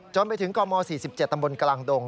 ไปถึงกม๔๗ตำบลกลางดง